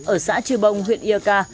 ở xã cư bông huyện eka